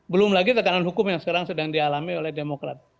belum lagi tekanan hukum yang sekarang sedang dialami oleh demokrat